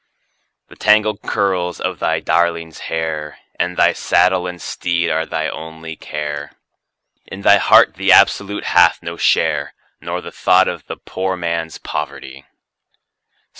The tangled curls of thy darling's hair, and thy saddle and teed are thy only care; In thy heart the Absolute hath no share, nor the thought of the poor man's poverty.